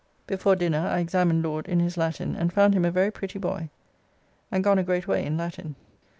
Before dinner I examined Laud in his Latin and found him a very pretty boy and gone a great way in Latin.